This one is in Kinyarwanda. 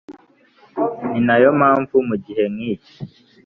ni na yo mpamvu mu gihe nk’iki